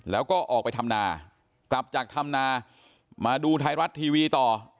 แล้วก็ออกไปทำนากลับจากธรรมนามาดูไทยรัฐทีวีต่อ